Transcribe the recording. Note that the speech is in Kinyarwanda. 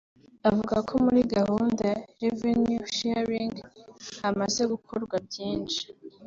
avuga ko muri gahunda ya ‘Revenue sharing’ hamaze gukorwa byinshi